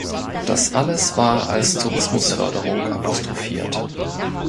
Das alles war als Tourismusförderung apostrophiert.